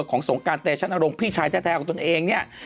สงการเตชนรงค์พี่ชายแท้ของตนเองเนี่ย